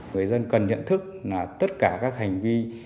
người dân cần nhận thức là tất cả các hành vi